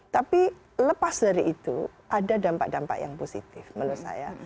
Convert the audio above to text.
tapi lepas dari itu ada dampak dampak yang positif menurut saya